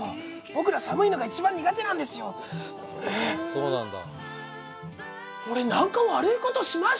そうなんだ。